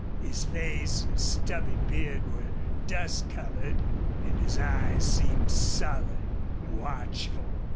His face and stubby beard were dust colored, and his eyes seemed sullen, watchful.